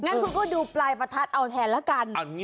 งั้นคุณก็ดูปลายประทัดเอาแทนละกัน